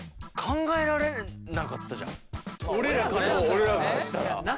俺らからしたらね。